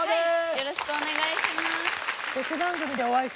よろしくお願いします。